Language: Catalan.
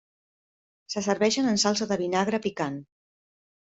Se serveixen en salsa de vinagre picant.